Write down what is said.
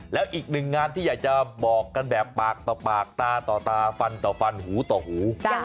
แล้วอีกหนึ่งงานที่อยากจะบอกกันแบบปากต่อปากตาต่อตาฟันต่อฟันหูต่อหู